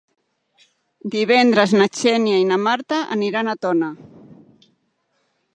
Divendres na Xènia i na Marta aniran a Tona.